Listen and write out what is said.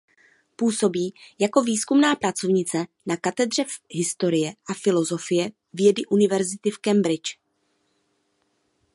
Působí jako výzkumná pracovnice na katedře historie a filozofie vědy Univerzity v Cambridgi.